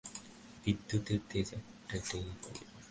বিদ্যুতের তেজ এটাকেই বলে।